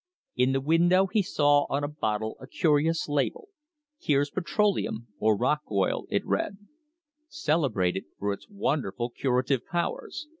In the window he saw on a bottle a curious label, "Kier's Petroleum, or Rock Oil," it read, "Celebrated for its wonderful curative powers.